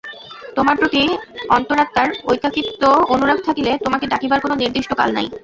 তোমার প্রতি অন্তরাত্মার ঐকান্তিক অনুরাগ থাকিলে তোমাকে ডাকিবার কোন নির্দিষ্ট কাল নাই।